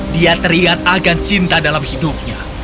dia teringat agan cinta dalam hidupnya